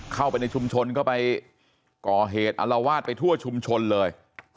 เข้าไปในชุมชนก็ไปก่อเหตุอลวาดไปทั่วชุมชนเลย